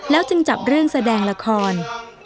จึงจับเรื่องแสดงละคร